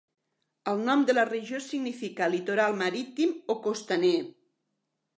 El nom de la regió significa Litoral, Marítim o Costaner.